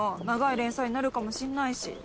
長い連載になるかもしんないし。